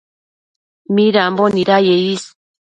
midambo nidaye is